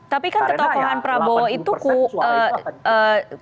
tapi kan ketokohan prabowo itu kue